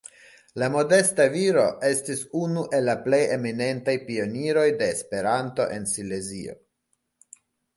La modesta viro estis unu el la plej eminentaj pioniroj de Esperanto en Silezio.